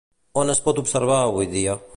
On es pot observar avui dia?